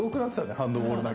ハンドボール投げ。